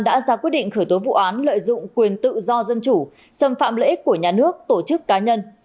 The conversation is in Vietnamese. đã ra quyết định khởi tố vụ án lợi dụng quyền tự do dân chủ xâm phạm lợi ích của nhà nước tổ chức cá nhân